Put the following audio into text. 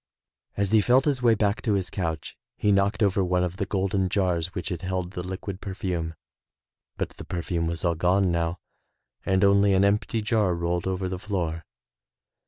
As he felt his way back to his couch he knocked over one of the golden jars which had held the liquid perfume, but the perfume was all gone now and only an empty jar rolled over the floor.